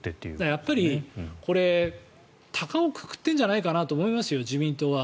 やっぱり、これ高をくくってるんじゃないかなと思いますよ、自民党は。